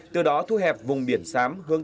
từ đó thu hẹp vùng biển sám hướng